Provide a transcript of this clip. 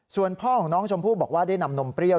ส่วนพ่อของน้องชมพู่บอกว่าได้นำนมเปรี้ยว